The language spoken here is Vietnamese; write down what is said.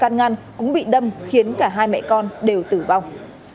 ngăn cũng bị đâm khiến cả hai mẹ con đều tử vong